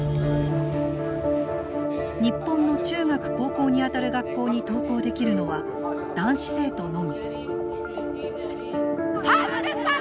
日本の中学高校にあたる学校に登校できるのは男子生徒のみ。